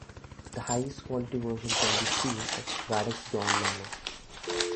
The highest quality version can be seen at Waddesdon Manor.